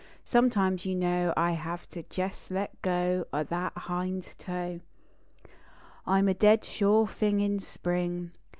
Sometimes, you know, I have to jes let go () that hind toe. I m a dead sure thing in spring.